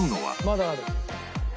まだある？